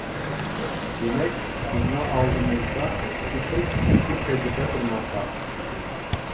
دېمەك بىزنىڭ ئالدىمىزدا ئىككى خىل تىپتىكى تەجرىبە تۇرماقتا.